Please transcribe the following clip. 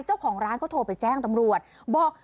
เจ้าของร้านเขาโทรไปแจ้งตำรวจบอก